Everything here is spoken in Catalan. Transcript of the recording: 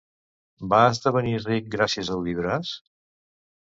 Va esdevenir ric gràcies a Hudibras?